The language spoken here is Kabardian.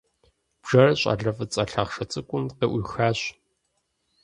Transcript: Бжэр щӀалэ фӀыцӀэ лъахъшэ цӀыкӀум къыӀуихащ.